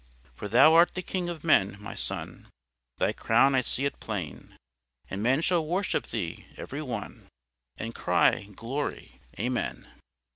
"'For Thou art the King of men, my son; Thy crown I see it plain; And men shall worship Thee, every one, And cry, Glory! Amen."